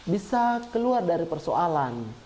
bisa keluar dari persoalan